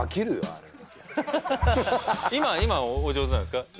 あれは今今はお上手なんですか？